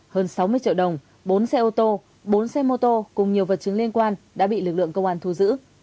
hơn sáu mươi triệu đồng bốn xe ô tô bốn xe mô tô cùng nhiều vật chứng liên quan đã bị lực lượng công an thu giữ